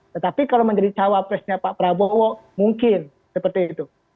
tetapi kalau menjadi cawapresnya pak prabowo mungkin seperti itu